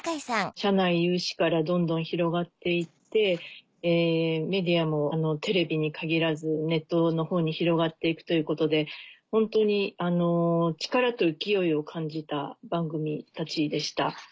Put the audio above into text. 社内有志からどんどん広がって行ってメディアもテレビに限らずネットのほうに広がって行くということでホントに力と勢いを感じた番組たちでした。